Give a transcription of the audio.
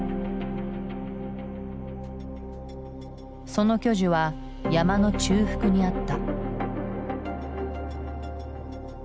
その巨樹は山の中腹にあった。